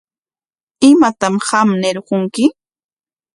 ¿Imatam qam ñirqunki?